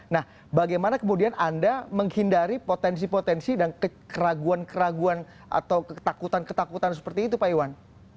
nah bagaimana kemudian anda menghindari potensi potensi dan keraguan keraguan atau ketakutan ketakutan seperti itu pak iwan